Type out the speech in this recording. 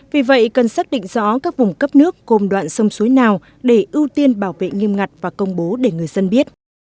vì vậy cần xác định rõ các vùng cấp nước gồm đoạn sông suối nào để ưu tiên bảo vệ nghiêm ngặt và công bố để người dân biết